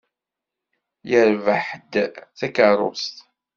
Yerbeḥ-d takeṛṛust.